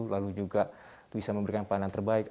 lalu juga bisa memberikan pandangan terbaik